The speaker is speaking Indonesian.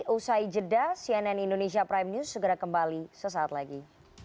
usai jeda cnn indonesia prime news segera kembali sesaat lagi